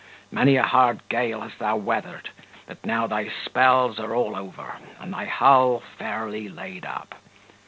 Many a hard gale hast thou weathered; but now thy spells are all over, and thy hull fairly laid up.